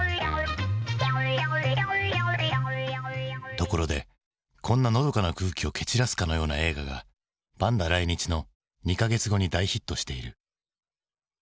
ところでこんなのどかな空気を蹴散らすかのような映画がパンダ来日の２か月後に大ヒットしている。